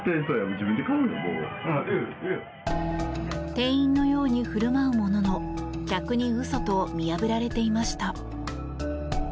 店員のように振る舞うものの客に嘘と見破られていました。